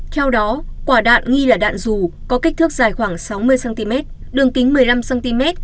theo đó quả đạn nghi là đạn dù có kích thước dài khoảng sáu mươi cm đường kính một mươi năm cm